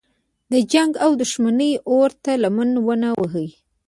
د جنګ او دښمنۍ اور ته لمن ونه وهي.